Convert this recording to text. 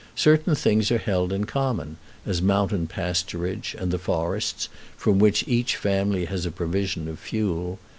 Certain things are held in common, as mountain pasturage and the forests, from which each family has a provision of fuel.